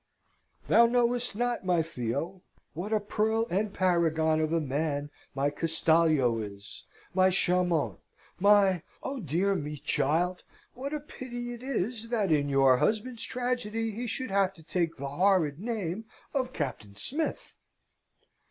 "Thou knowest not, my Theo, what a pearl and paragon of a man my Castalio is; my Chamont, my oh, dear me, child, what a pity it is that in your husband's tragedy he should have to take the horrid name of Captain Smith!"